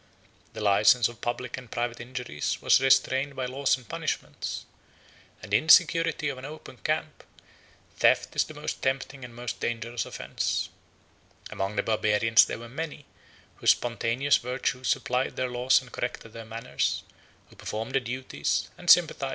The license of public and private injuries was restrained by laws and punishments; and in the security of an open camp, theft is the most tempting and most dangerous offence. Among the Barbarians there were many, whose spontaneous virtue supplied their laws and corrected their manners, who performed the duties, and sympathized with the affections, of social life.